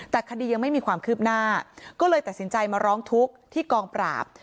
แต่คดียังไม่มีความคืบหน้าก็เลยตัดสินใจมาร้องทุกข์ที่กองปราบ